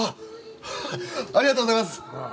ありがとうございます！